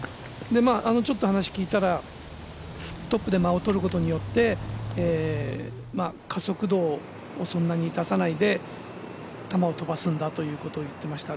ちょっと話を聞いたらトップで間をとることによって加速度をそんなに出さないで球を飛ばすんだと言っていました。